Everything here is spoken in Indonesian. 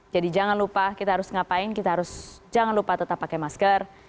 jadi jangan lupa kita harus ngapain kita harus jangan lupa tetap pakai masker